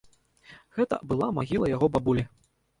Гэта была магіла яго бабулі.